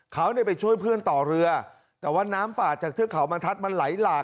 เขาได้ไปช่วยเพื่อนต่อเรือแต่ว่าน้ำฝาดจากเชือกเขามันทัดมันไหลหลาก